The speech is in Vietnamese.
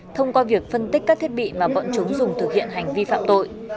thông qua việc phân tích các thiết bị mà bọn chúng dùng thực hiện hành vi phạm tội